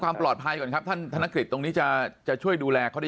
ความปลอดภัยก่อนครับท่านธนกฤษตรงนี้จะช่วยดูแลเขาดี